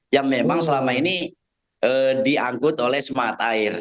yang memang selama ini diangkut oleh semangat air